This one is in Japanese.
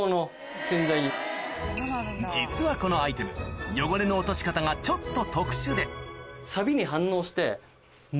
実はこのアイテム汚れの落とし方がちょっと特殊で出た。